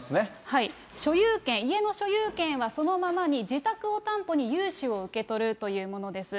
所有権、家の所有権はそのままに、自宅を担保に融資を受け取るというものです。